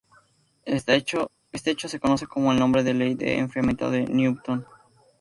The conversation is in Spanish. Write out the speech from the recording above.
Este hecho se conoce con el nombre de ley de enfriamiento de Newton.